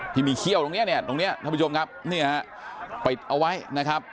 ที่มีเขี้ยวตรงเนี่ยท่านผู้ชมครับเนี่ยปิดเอาไว้นะครับ